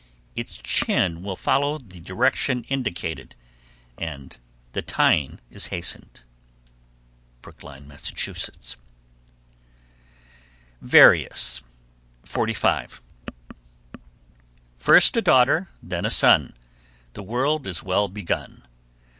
Its chin will follow the direction indicated, and the tying is hastened. Brookline, Mass. VARIOUS. 45. First a daughter, then a son, The world is well begun.